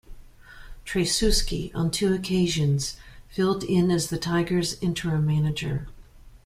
Tracewski, on two occasions, filled in as the Tigers' interim manager.